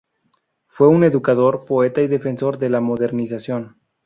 Fue un educador, poeta y defensor de la modernización.